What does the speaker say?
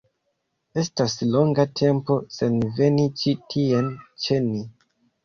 Estas longa tempo sen veni ĉi tien ĉe ni